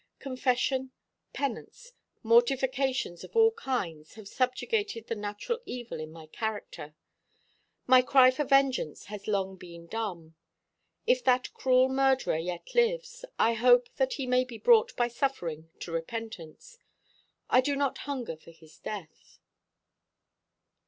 Confession, penance, mortifications of all kinds have subjugated the natural evil in my character. My cry for vengeance has long been dumb. If that cruel murderer yet lives, I hope that he may be brought by suffering to repentance. I do not hunger for his death."